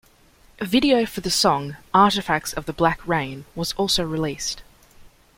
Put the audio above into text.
A video for the song "Artifacts of the Black Rain" was also released.